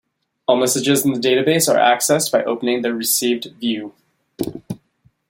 All messages in the database are accessed by opening the "Received" view.